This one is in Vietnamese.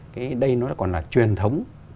cái đây nó còn là truyền thống